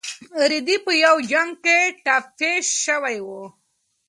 رېدی په یو جنګ کې ټپي شوی و.